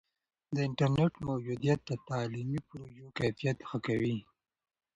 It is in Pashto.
د انټرنیټ موجودیت د تعلیمي پروژو کیفیت ښه کوي.